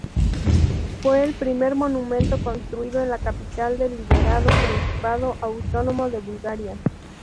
Fue el primer monumento construido en la capital del liberado Principado autónomo de Bulgaria.